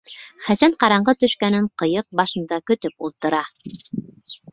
Хәсән ҡараңғы төшкәнен ҡыйыҡ башында көтөп ултыра.